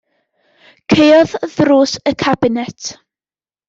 Caeodd ddrws y cabinet.